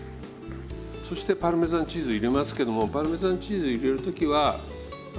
そしてパルメザンチーズ入れますけどもパルメザンチーズ入れる時は火を止めましょう。